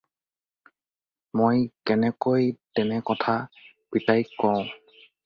মই কেনেকৈ তেনে কথা পিতাইক কওঁ।